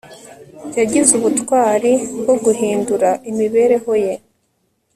yagize ubutwari bwo guhindura imibereho ye